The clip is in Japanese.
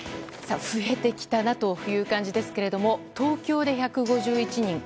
増えてきたなという感じですけれども東京で１５１人